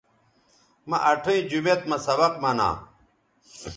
مہ اٹھئیں جومیت مہ سبق منا